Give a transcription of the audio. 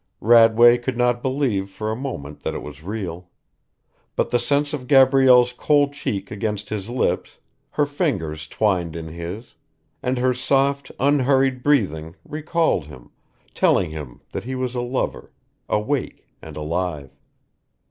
Radway could not believe, for a moment, that it was real; but the sense of Gabrielle's cold cheek against his lips, her fingers twined in his, and her soft, unhurried breathing recalled him, telling him that he was a lover, awake and alive.